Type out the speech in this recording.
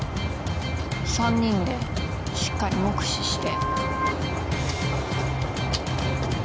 ３人でしっかり目視して。